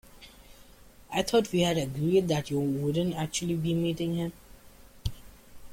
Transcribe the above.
I thought we'd agreed that you wouldn't actually be meeting him?